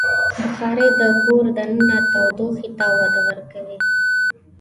بخاري د کور دننه تودوخې ته وده ورکوي.